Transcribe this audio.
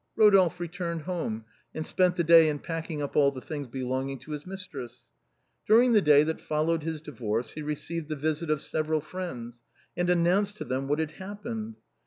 Kodolphe returned home, and spent the day in packing up all the things belonging to his mistress. During the day that followed his divorce, he received the visit of several friends, and announced to them what had happened.